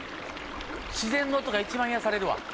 自然の音が一番癒やされるわ。